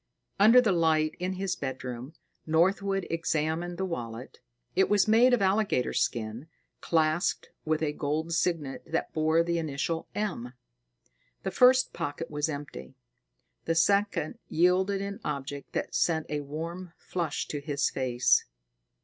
Under the light in his bedroom, Northwood examined the wallet. It was made of alligator skin, clasped with a gold signet that bore the initial M. The first pocket was empty; the second yielded an object that sent a warm flush to his face.